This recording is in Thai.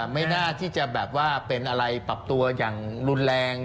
ไม่น่าที่จะแบบว่าเป็นอะไรปรับตัวอย่างรุนแรง